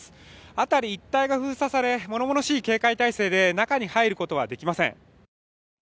辺り一帯が封鎖され、ものものしい警戒態勢で中に入ることはできません。